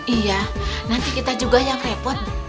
iya nanti kita juga yang repot